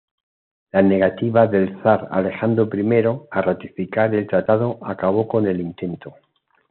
La negativa del zar Alejandro I a ratificar el tratado acabó con el intento.